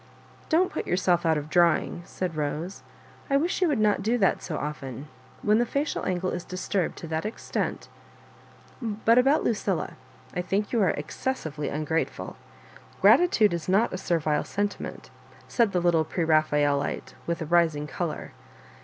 "Don't put yourself out of drawing," said Bose ;I wish you would not do that so often. When the facial angle is disturbed to that ex tent But about Lucilla, I think you are excessively ungrateful Gratitude is not a servile sentiment," said the little Preraphaelite, with a rising colour.